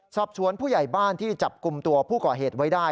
สอบสวนผู้ใหญ่บ้านที่จับกลุ่มตัวผู้ก่อเหตุไว้ได้